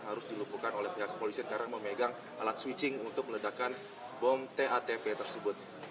harus dilakukan oleh pihak kepolisian karena memegang alat switching untuk meledakan bom tatp tersebut